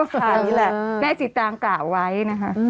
คราวนี้แหละแม่จิตางกล่าวไว้นะคะ